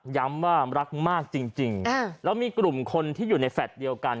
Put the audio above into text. ย้ำว่ารักมากจริงแล้วมีกลุ่มคนที่อยู่ในแฟลตเดียวกัน